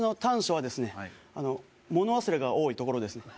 はいあの物忘れが多いところですね